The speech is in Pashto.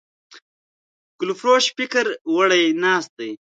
ګلفروش فکر وړی ناست دی